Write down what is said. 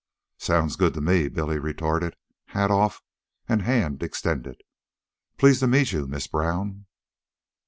"Sounds good to me," Billy retorted, hat off and hand extended. "Pleased to meet you, Miss Brown."